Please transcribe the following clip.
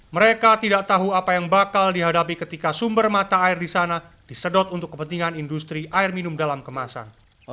mereka tidak tahu apa yang bakal dihadapi ketika sumber mata air di sana disedot untuk kepentingan industri air minum dalam kemasan